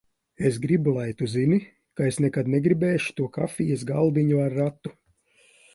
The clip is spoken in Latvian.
Es gribu, lai tu zini, ka es nekad negribēšu to kafijas galdiņu ar ratu.